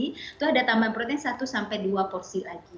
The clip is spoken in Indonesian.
itu ada tambahan protein satu sampai dua porsi lagi